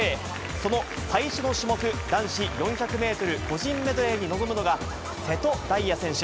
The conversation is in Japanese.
その最初の種目、男子４００メートル個人メドレーに臨むのが、瀬戸大也選手。